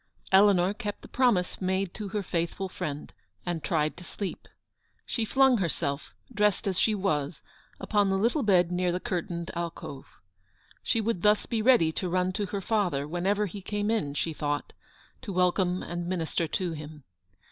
Eleanor kept the promise made to her faithful friend, and tried to sleep. She flung herself, dressed as she was, upon the little bed near the curtained alcove. She would thus be ready to run to her father, whenever he came in, she thought, to welcome and minister to him.